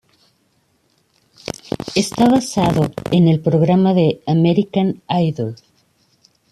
Está basado en el programa "American Idol.